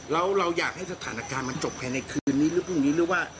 แล้วเราอยากให้สถานการณ์มันจบภายในคืนนี้หรือพรุ่งนี้หรือว่า